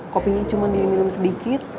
kopinya cuma diminum sedikit